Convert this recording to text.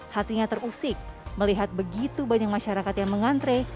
hatinya terusik melihat begitu banyak masyarakat yang mengantre